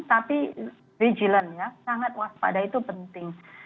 tapi regiland ya sangat waspada itu penting